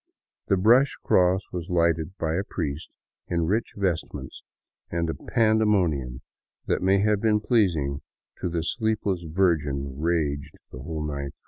The brush cross w^as lighted by a priest in rich vestments, and a pandemonium that may have been pleasing to the sleepless Virgin raged the whole night through.